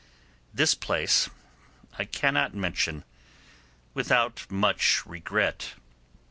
This place I cannot mention without much regret.